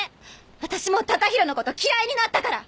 私もう隆弘のこと嫌いになったから！